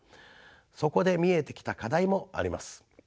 そこで見えてきた課題もあります。